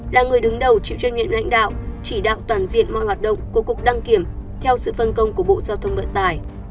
là người đứng đầu chịu trách nhiệm lãnh đạo chỉ đạo toàn diện mọi hoạt động của cục đăng kiểm theo sự phân công của bộ giao thông vận tải